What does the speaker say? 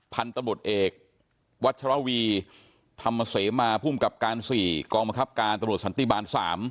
พันธุ์ตำรวจเอกวัชรวีธรรมเสมาภูมิกับการ๔กองบังคับการตำรวจสันติบาล๓